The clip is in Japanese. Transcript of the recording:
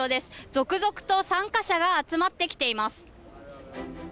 続々と参加者が集まってきています。